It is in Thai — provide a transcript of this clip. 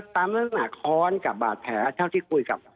ตามหน้าข้อนกับบาดแพ้เท่าที่คุยกับ